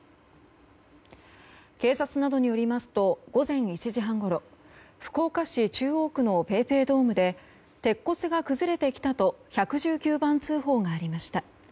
警察などによりますと午前１時半ごろ福岡市中央区のＰａｙＰａｙドームで鉄骨が崩れてきたと１１９番通報がありました。